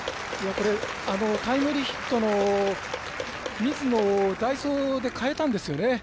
タイムリーヒットの水野を代走で代えたんですよね。